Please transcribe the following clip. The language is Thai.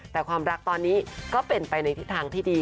แต่ความรักตอนนี้ก็เป็นไปในทิศทางที่ดี